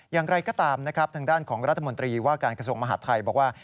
อย่างไรก็ตามนะครับทางด้านของรัฐมนตรีว่าการกระทรวงมหาดไทยบอกว่า